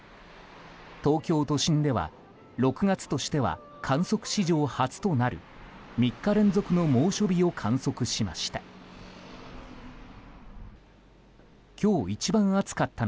東京都心では６月としては観測史上初となる３日連続の猛暑日を観測しました。